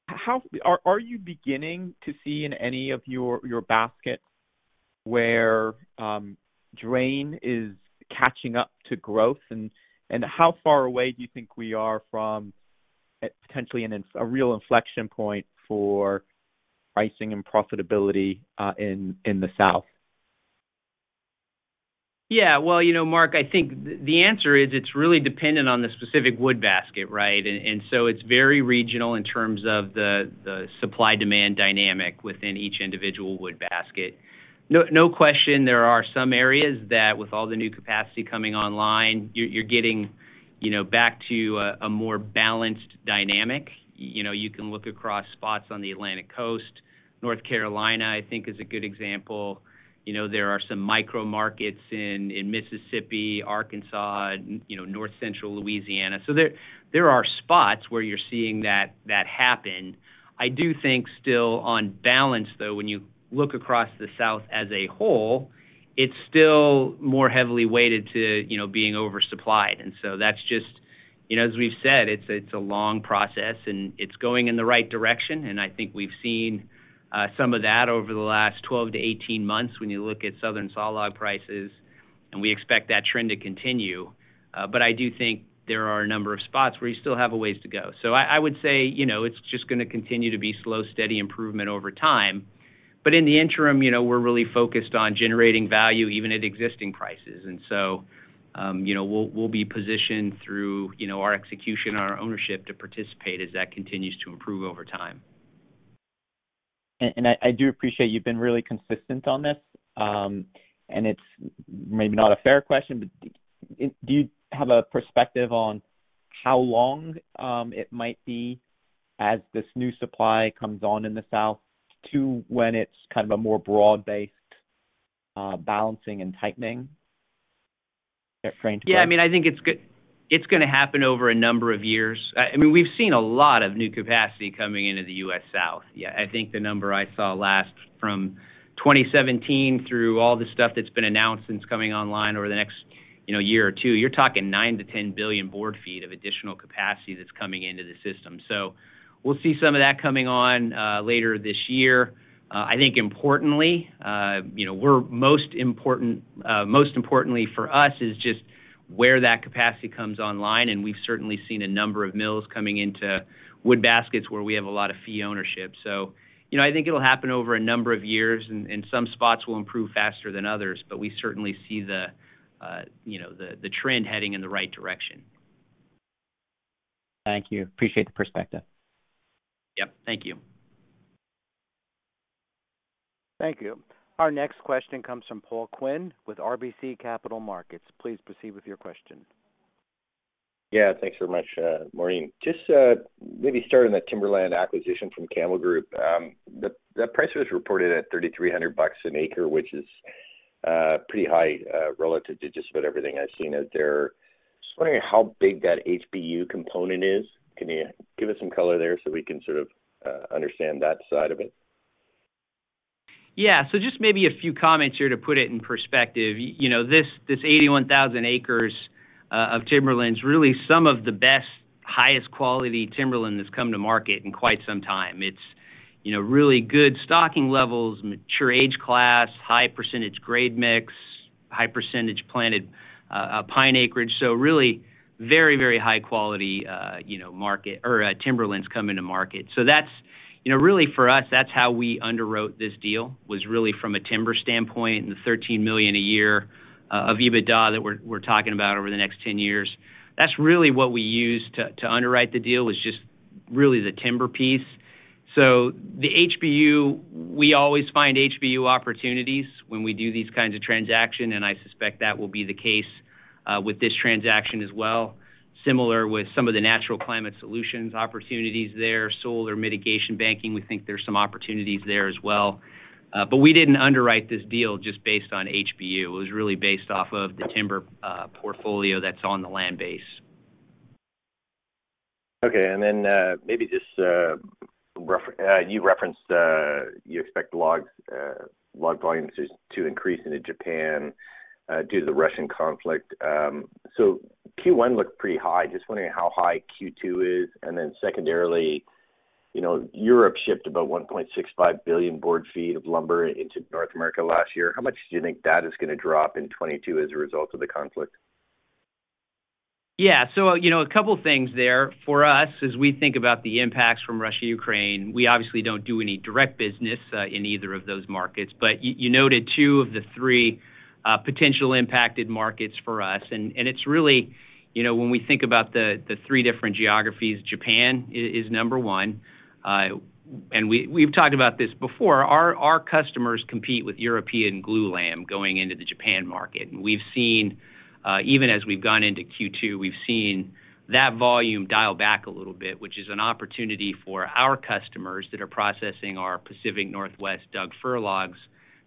how are you beginning to see in any of your basket where drain is catching up to growth? How far away do you think we are from potentially a real inflection point for pricing and profitability in the south? Yeah. Well, you know, Mark, I think the answer is it's really dependent on the specific wood basket, right? And so it's very regional in terms of the supply-demand dynamic within each individual wood basket. No question, there are some areas that with all the new capacity coming online, you're getting, you know, back to a more balanced dynamic. You know, you can look across spots on the Atlantic Coast. North Carolina, I think is a good example. You know, there are some micro markets in Mississippi, Arkansas, North Central Louisiana. So there are spots where you're seeing that happen. I do think still on balance, though, when you look across the South as a whole, it's still more heavily weighted to, you know, being oversupplied. So that's just. You know, as we've said, it's a long process and it's going in the right direction. I think we've seen some of that over the last 12-18 months when you look at Southern sawlog prices, and we expect that trend to continue. I do think there are a number of spots where you still have a ways to go. I would say, you know, it's just gonna continue to be slow, steady improvement over time. In the interim, you know, we're really focused on generating value even at existing prices. You know, we'll be positioned through, you know, our execution and our ownership to participate as that continues to improve over time. I do appreciate you've been really consistent on this, and it's maybe not a fair question, but do you have a perspective on how long it might be as this new supply comes on in the South to when it's kind of a more broad-based balancing and tightening? Is that a fair- Yeah, I mean, I think it's gonna happen over a number of years. I mean, we've seen a lot of new capacity coming into the U.S. South. Yeah, I think the number I saw last from 2017 through all the stuff that's been announced since coming online over the next, you know, year or two, you're talking 9-10 billion board feet of additional capacity that's coming into the system. We'll see some of that coming on later this year. I think importantly, you know, most importantly for us is just where that capacity comes online, and we've certainly seen a number of mills coming into wood baskets where we have a lot of fee ownership. You know, I think it'll happen over a number of years, and some spots will improve faster than others, but we certainly see the, you know, the trend heading in the right direction. Thank you. Appreciate the perspective. Yep. Thank you. Thank you. Our next question comes from Paul Quinn with RBC Capital Markets. Please proceed with your question. Yeah. Thanks very much, Maureen. Just maybe starting the Timberland acquisition from Campbell Global. The price was reported at $3,300 an acre, which is pretty high relative to just about everything I've seen out there. Just wondering how big that HBU component is. Can you give us some color there so we can sort of understand that side of it? Yeah. Just maybe a few comments here to put it in perspective. This 81,000 acres of timberland is really some of the best, highest quality timberland that's come to market in quite some time. Really good stocking levels, mature age class, high percentage grade mix, high percentage planted pine acreage. Really very high quality marketed timberland is coming to market. That's really for us, that's how we underwrote this deal, was really from a timber standpoint and the $13 million a year of EBITDA that we're talking about over the next 10 years. That's really what we used to underwrite the deal is just really the timber piece. The HBU, we always find HBU opportunities when we do these kinds of transaction, and I suspect that will be the case with this transaction as well. Similar with some of the Natural Climate Solutions opportunities there, solar mitigation banking, we think there's some opportunities there as well. But we didn't underwrite this deal just based on HBU. It was really based off of the timber portfolio that's on the land base. Okay. Maybe just, you referenced you expect log volumes is to increase into Japan due to the Russian conflict. Q1 looked pretty high. Just wondering how high Q2 is. Secondarily, you know, Europe shipped about 1.65 billion board feet of lumber into North America last year. How much do you think that is gonna drop in 2022 as a result of the conflict? Yeah. You know, a couple things there for us as we think about the impacts from Russia, Ukraine, we obviously don't do any direct business in either of those markets. You noted two of the three potential impacted markets for us. It's really, you know, when we think about the three different geographies, Japan is number one. We've talked about this before. Our customers compete with European glulam going into the Japan market. We've seen even as we've gone into Q2, we've seen that volume dial back a little bit, which is an opportunity for our customers that are processing our Pacific Northwest Douglas fir logs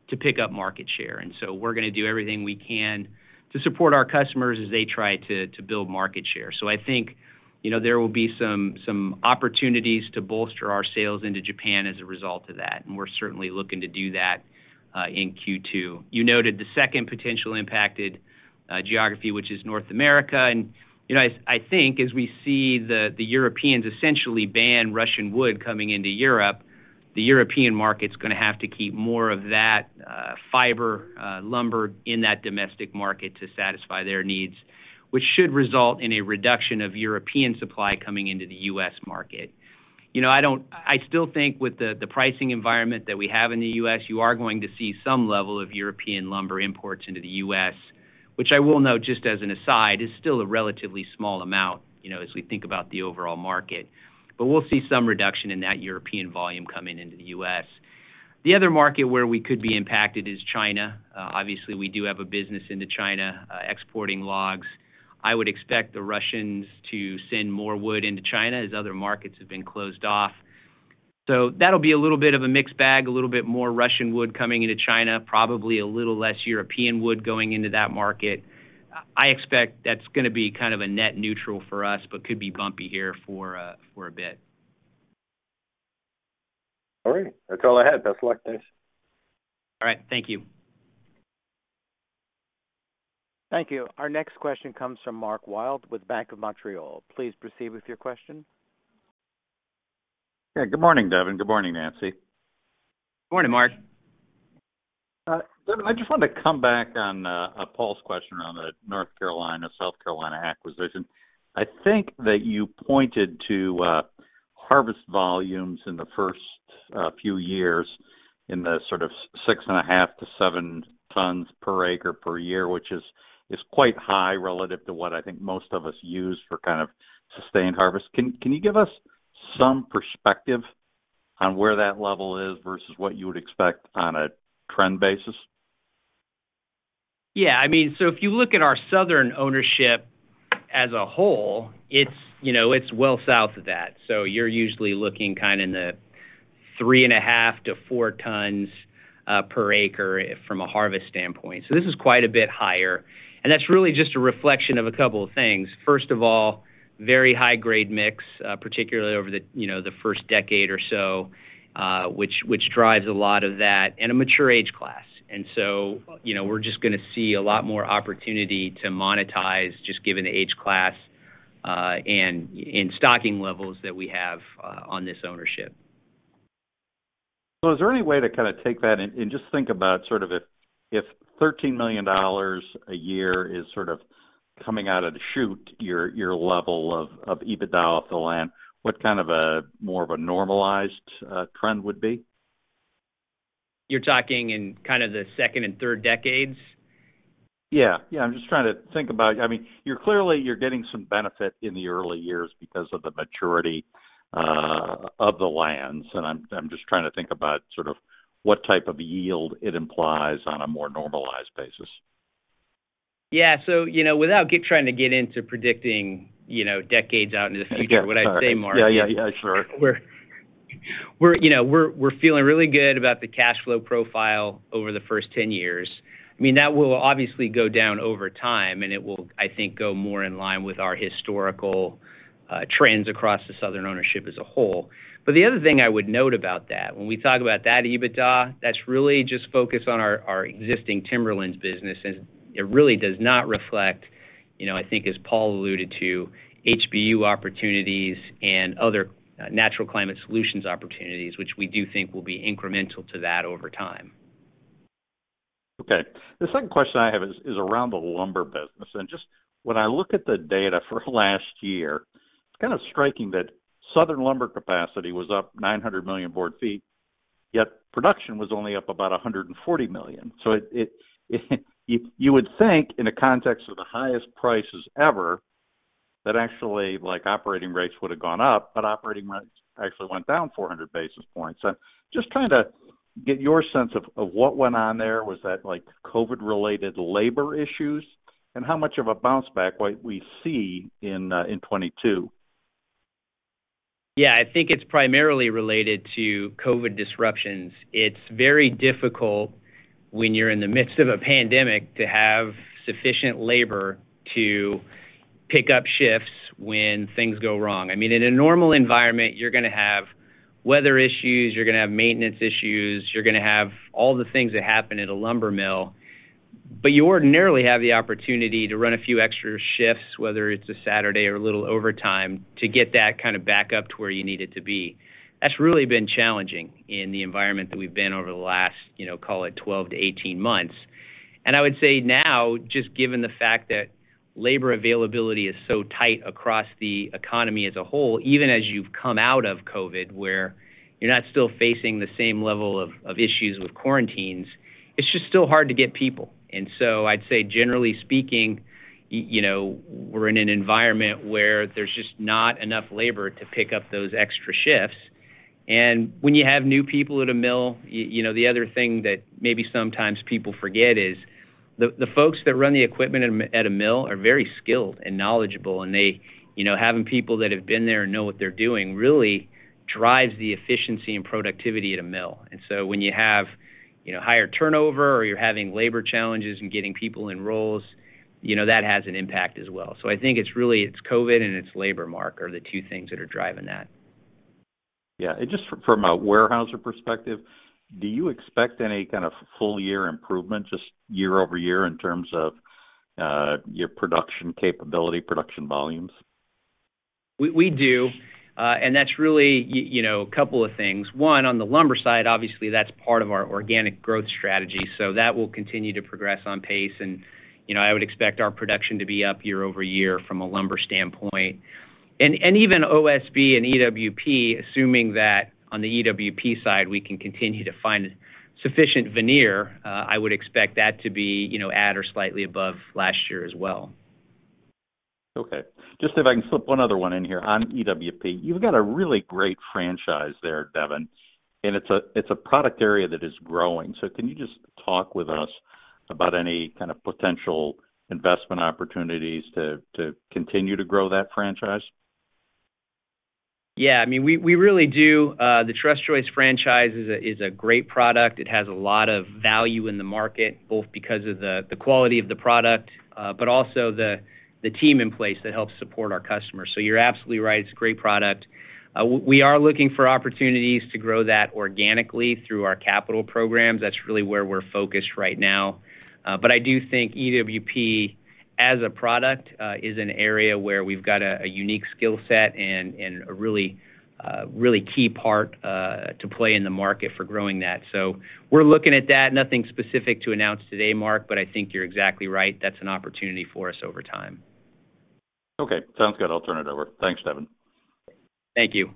to pick up market share. We're gonna do everything we can to support our customers as they try to build market share. I think, you know, there will be some opportunities to bolster our sales into Japan as a result of that, and we're certainly looking to do that in Q2. You noted the second potentially impacted geography, which is North America. You know, I think as we see the Europeans essentially ban Russian wood coming into Europe, the European market's gonna have to keep more of that fiber lumber in that domestic market to satisfy their needs, which should result in a reduction of European supply coming into the U.S. market. I still think with the pricing environment that we have in the U.S., you are going to see some level of European lumber imports into the U.S., which I will note just as an aside, is still a relatively small amount, you know, as we think about the overall market. We'll see some reduction in that European volume coming into the U.S. The other market where we could be impacted is China. Obviously we do have a business into China, exporting logs. I would expect the Russians to send more wood into China as other markets have been closed off. That'll be a little bit of a mixed bag, a little bit more Russian wood coming into China, probably a little less European wood going into that market. I expect that's gonna be kind of a net neutral for us, but could be bumpy here for a bit. All right. That's all I had. Best of luck, guys. All right. Thank you. Thank you. Our next question comes from Mark Wilde with Bank of Montreal. Please proceed with your question. Yeah. Good morning, Devin. Good morning, Nancy. Good morning, Mark. Devin, I just wanted to come back on Paul's question around the North Carolina, South Carolina acquisition. I think that you pointed to harvest volumes in the first few years in the sort of 6.5-7 tons per acre per year, which is quite high relative to what I think most of us use for kind of sustained harvest. Can you give us some perspective on where that level is versus what you would expect on a trend basis? I mean, if you look at our Southern ownership as a whole, it's, you know, it's well south of that. You're usually looking kind of in the 3.5-4 tons per acre from a harvest standpoint. This is quite a bit higher, and that's really just a reflection of a couple of things. First of all, very high grade mix, particularly over the, you know, the first decade or so, which drives a lot of that in a mature age class. You know, we're just gonna see a lot more opportunity to monetize just given the age class, and in stocking levels that we have, on this ownership. Is there any way to kinda take that and just think about sort of if $13 million a year is sort of coming out of the chute, your level of EBITDA off the land, what kind of a more of a normalized trend would be? You're talking in kind of the second and third decades? Yeah. Yeah. I'm just trying to think about I mean, you're clearly getting some benefit in the early years because of the maturity of the lands, and I'm just trying to think about sort of what type of yield it implies on a more normalized basis. Yeah. You know, without trying to get into predicting, you know, decades out into the future. Okay. All right. What I'd say, Mark. Yeah, yeah, sure. We're feeling really good about the cash flow profile over the first 10 years. I mean, that will obviously go down over time, and it will, I think, go more in line with our historical trends across the Southern ownership as a whole. The other thing I would note about that, when we talk about that EBITDA, that's really just focused on our existing Timberlands business, and it really does not reflect, you know, I think as Paul alluded to, HBU opportunities and other Natural Climate Solutions opportunities, which we do think will be incremental to that over time. Okay. The second question I have is around the lumber business. Just when I look at the data for last year, it's kind of striking that Southern lumber capacity was up 900 million board feet, yet production was only up about 140 million. You would think in the context of the highest prices ever, that actually, like, operating rates would have gone up, but operating rates actually went down 400 basis points. Just trying to get your sense of what went on there. Was that, like, COVID-related labor issues? How much of a bounce back might we see in 2022? Yeah, I think it's primarily related to COVID disruptions. It's very difficult when you're in the midst of a pandemic to have sufficient labor to pick up shifts when things go wrong. I mean, in a normal environment, you're gonna have weather issues, you're gonna have maintenance issues, you're gonna have all the things that happen at a lumber mill. But you ordinarily have the opportunity to run a few extra shifts, whether it's a Saturday or a little overtime, to get that kind of back up to where you need it to be. That's really been challenging in the environment that we've been over the last, you know, call it 12-18 months. I would say now, just given the fact that labor availability is so tight across the economy as a whole, even as you've come out of COVID, where you're not still facing the same level of issues with quarantines, it's just still hard to get people. I'd say generally speaking, you know, we're in an environment where there's just not enough labor to pick up those extra shifts. When you have new people at a mill, you know, the other thing that maybe sometimes people forget is the folks that run the equipment at a mill are very skilled and knowledgeable, and they. You know, having people that have been there and know what they're doing really drives the efficiency and productivity at a mill. When you have, you know, higher turnover or you're having labor challenges in getting people in roles, you know, that has an impact as well. I think it's really COVID and it's labor, Mark, are the two things that are driving that. Just from a Weyerhaeuser perspective, do you expect any kind of full year improvement just year-over-year in terms of your production capability, production volumes? We do. That's really, you know, a couple of things. One, on the lumber side, obviously that's part of our organic growth strategy, so that will continue to progress on pace. You know, I would expect our production to be up year-over-year from a lumber standpoint. Even OSB and EWP, assuming that on the EWP side we can continue to find sufficient veneer, I would expect that to be, you know, at or slightly above last year as well. Okay. Just if I can slip one other one in here on EWP. You've got a really great franchise there, Devin, and it's a product area that is growing. Can you just talk with us about any kind of potential investment opportunities to continue to grow that franchise? Yeah, I mean, we really do. The Trus Joist franchise is a great product. It has a lot of value in the market, both because of the quality of the product, but also the team in place that helps support our customers. You're absolutely right, it's a great product. We are looking for opportunities to grow that organically through our capital programs. That's really where we're focused right now. I do think EWP as a product is an area where we've got a unique skill set and a really key part to play in the market for growing that. We're looking at that. Nothing specific to announce today, Mark, but I think you're exactly right. That's an opportunity for us over time. Okay, sounds good. I'll turn it over. Thanks, Devin. Thank you.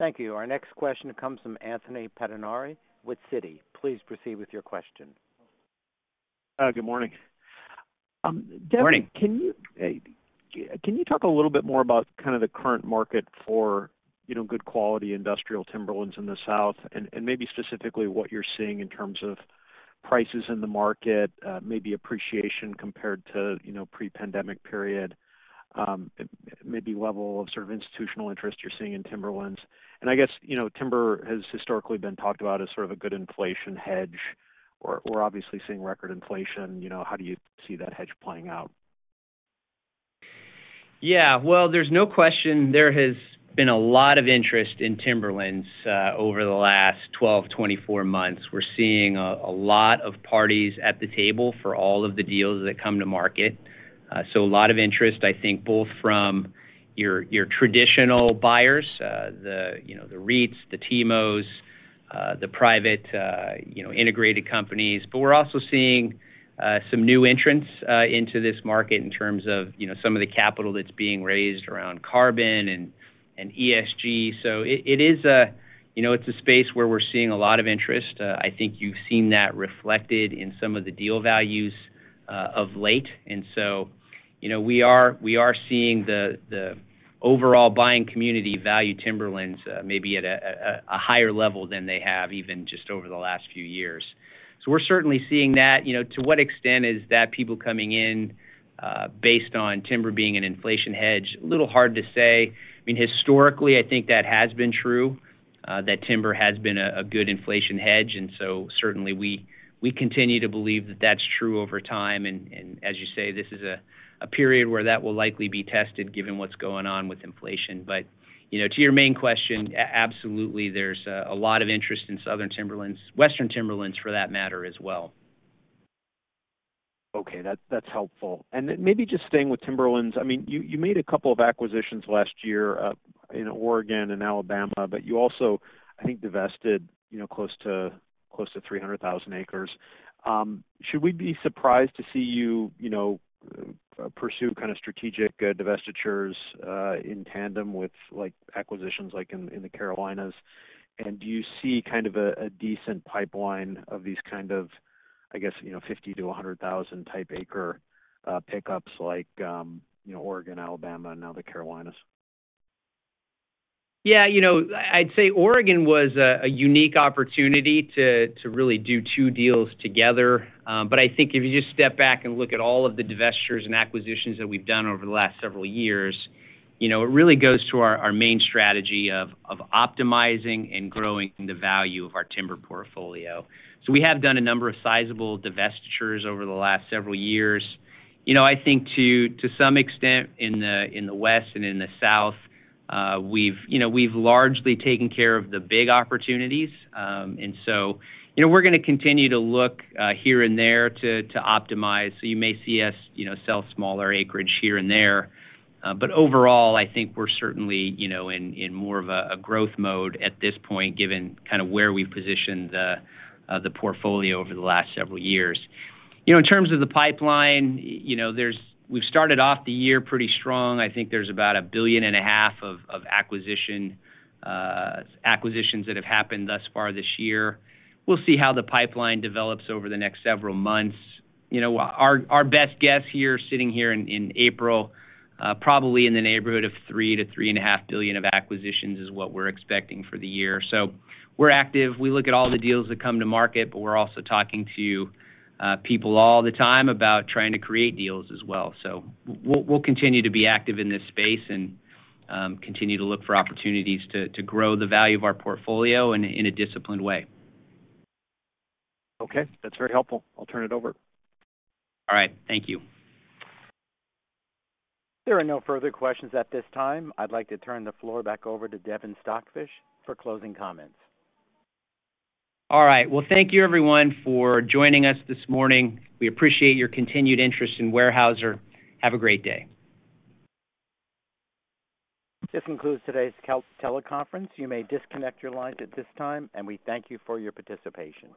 Thank you. Our next question comes from Anthony Pettinari with Citi. Please proceed with your question. Good morning. Morning. Devin, can you talk a little bit more about kind of the current market for, you know, good quality industrial timberlands in the South, and maybe specifically what you're seeing in terms of prices in the market, maybe appreciation compared to, you know, pre-pandemic period, maybe level of sort of institutional interest you're seeing in timberlands. I guess, you know, timber has historically been talked about as sort of a good inflation hedge. We're obviously seeing record inflation. You know, how do you see that hedge playing out? Yeah. Well, there's no question there has been a lot of interest in timberlands over the last 12-24 months. We're seeing a lot of parties at the table for all of the deals that come to market. So a lot of interest, I think both from your traditional buyers, you know, the REITs, the TIMOs, the private, you know, integrated companies. But we're also seeing some new entrants into this market in terms of, you know, some of the capital that's being raised around carbon and ESG. So it is a space where we're seeing a lot of interest. I think you've seen that reflected in some of the deal values of late. We are seeing the overall buying community value timberlands, maybe at a higher level than they have even just over the last few years. We're certainly seeing that. To what extent is that people coming in, based on timber being an inflation hedge? A little hard to say. Historically, I think that has been true, that timber has been a good inflation hedge. Certainly we continue to believe that that's true over time. As you say, this is a period where that will likely be tested given what's going on with inflation. To your main question, absolutely, there's a lot of interest in southern timberlands, western timberlands for that matter as well. Okay. That's helpful. Maybe just staying with timberlands. I mean, you made a couple of acquisitions last year in Oregon and Alabama, but you also, I think, divested you know close to 300,000 acres. Should we be surprised to see you you know pursue kind of strategic divestitures in tandem with like acquisitions like in the Carolinas? Do you see kind of a decent pipeline of these kind of I guess you know 50,000-100,000-acre pickups like you know Oregon, Alabama, and now the Carolinas? Yeah, you know, I'd say Oregon was a unique opportunity to really do two deals together. I think if you just step back and look at all of the divestitures and acquisitions that we've done over the last several years, you know, it really goes to our main strategy of optimizing and growing the value of our timber portfolio. We have done a number of sizable divestitures over the last several years. You know, I think to some extent in the West and in the South, we've largely taken care of the big opportunities. You know, we're gonna continue to look here and there to optimize. You may see us, you know, sell smaller acreage here and there. Overall, I think we're certainly, you know, in more of a growth mode at this point, given kind of where we've positioned the portfolio over the last several years. You know, in terms of the pipeline, you know, we've started off the year pretty strong. I think there's about $1.5 billion of acquisitions that have happened thus far this year. We'll see how the pipeline develops over the next several months. You know, our best guess here, sitting here in April, probably in the neighborhood of $3-$3.5 billion of acquisitions is what we're expecting for the year. We're active. We look at all the deals that come to market, but we're also talking to people all the time about trying to create deals as well. We'll continue to be active in this space and continue to look for opportunities to grow the value of our portfolio in a disciplined way. Okay, that's very helpful. I'll turn it over. All right. Thank you. There are no further questions at this time. I'd like to turn the floor back over to Devin Stockfish for closing comments. All right. Well, thank you everyone for joining us this morning. We appreciate your continued interest in Weyerhaeuser. Have a great day. This concludes today's teleconference. You may disconnect your lines at this time, and we thank you for your participation.